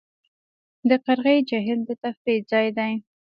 د قرغې جهیل د تفریح ځای دی